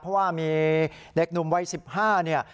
เพราะว่ามีเด็กหนุ่มวัย๑๕เนี่ย